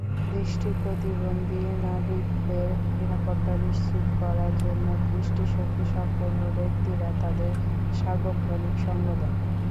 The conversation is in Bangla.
দৃষ্টিপ্রতিবন্ধী নাবিকদের নিরাপত্তা নিশ্চিত করার জন্য দৃষ্টিশক্তিসম্পন্ন ব্যক্তিরা তাঁদের সার্বক্ষণিক সঙ্গ দেন।